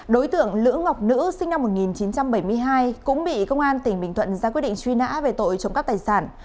đối tượng lữ ngọc nữ sinh năm một nghìn chín trăm bảy mươi hai cũng bị công an tỉnh bình thuận ra quyết định truy nã về tội trộm cắp tài sản